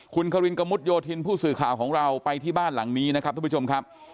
คุณควรินกะมุดโยทินผู้สื่อข่าวของเราไปที่บ้านหลังนี้นะครับ